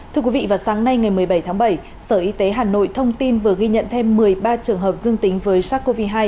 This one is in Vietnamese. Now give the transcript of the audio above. thưa quý vị vào sáng nay ngày một mươi bảy tháng bảy sở y tế hà nội thông tin vừa ghi nhận thêm một mươi ba trường hợp dương tính với sars cov hai